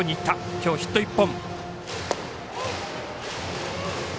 きょうヒット１本。